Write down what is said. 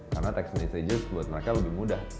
karena text messages buat mereka lebih mudah